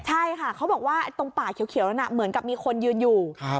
ใช่ค่ะเขาบอกว่าตรงป่าเขียวนั้นเหมือนกับมีคนยืนอยู่